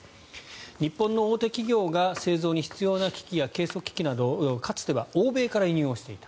日本の大手企業が製造に必要な機器や計測機器などをかつては欧米から輸入していた。